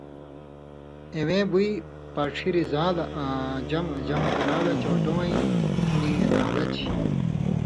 اِوَیں بُوئ، پاڇھی رِزان٘لہ آں جم (جمع) کران٘لہ چؤن٘ٹووَیں نی نھالہ چھی،